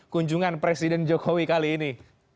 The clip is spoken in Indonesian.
kunjungan presiden jokowi kali ini